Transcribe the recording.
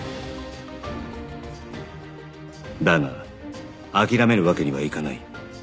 だが諦めるわけにはいかない